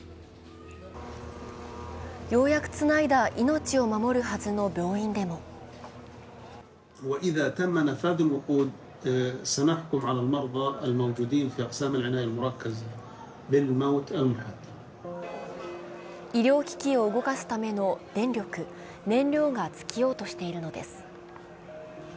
ようやくつないだ命を守るはずの病院でも医療機器を動かすための電力、燃料が尽きようとしているのです。